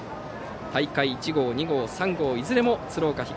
大会１号、２号、３号いずれも鶴岡東。